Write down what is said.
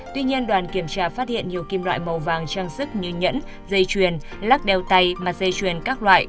tuy nhiên đoàn kiểm tra phát hiện nhiều kim loại màu vàng trang sức như nhẫn dây chuyền lắc đeo tay mà dây chuyền các loại